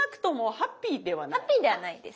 ハッピーではないです。